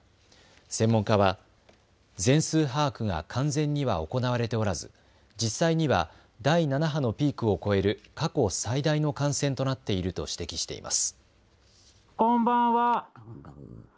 専門家は、全数把握が完全には行われておらず、実際には第７波のピークを超える過去最大の感染となっていると指摘しています。